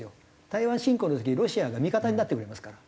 台湾侵攻の時ロシアが味方になってくれますから。